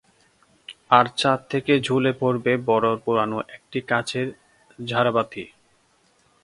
আর ছাদ থেকে ঝুলে পড়বে বড় পুরানো একটা কাঁচের ঝাড়বাতি!